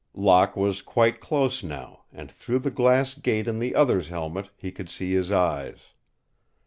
Locke was quite close now, and through the glass gate in the other's helmet he could see his eyes.